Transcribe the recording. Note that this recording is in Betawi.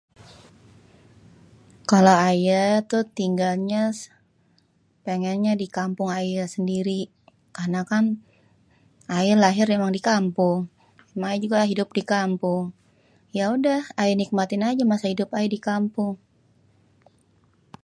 kalo ayê tuh tinggalnya pengènnya di kampung ayê sendiri.. karena kan ayê lahir emang di kampung.. ama ayê juga idup di kampung.. yaudah ayê nikmatin aja masa idup ayê di kampung..